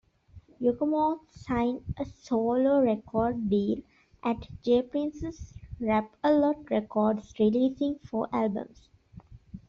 Yukmouth signed a solo record deal at J-Prince's Rap-a-Lot Records, releasing four albums.